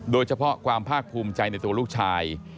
โดยเฉพาะความภาคภูมิใจในตัวลูกชาย